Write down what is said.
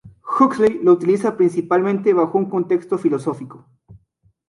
Huxley lo utiliza principalmente bajo un contexto filosófico.